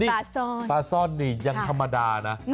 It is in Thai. ปลาซ่อนปลาซ่อนนี่ยังธรรมดานะ